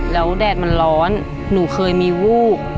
แล้วแดดมันร้อนหนูเคยมีวูบ